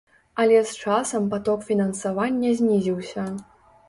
Але з часам паток фінансавання знізіўся.